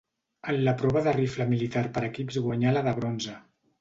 En la prova de rifle militar per equips guanyà la de bronze.